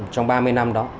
trong ba mươi năm đó